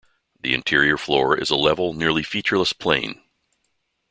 The interior floor is a level, nearly featureless plain.